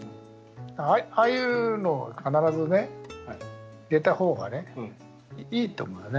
ああいうのを必ずね出た方がねいいと思うよね。